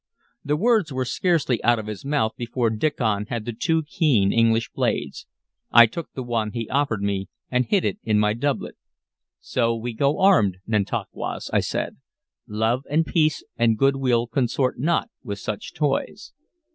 The words were scarcely out of his mouth before Diccon had the two keen English blades. I took the one he offered me, and hid it in my doublet. "So we go armed, Nantauquas," I said. "Love and peace and goodwill consort not with such toys."